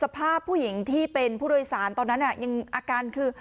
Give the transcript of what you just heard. ภาพผู้หญิงที่เป็นผู้โดยสารตอนนั้นยังอาการคือ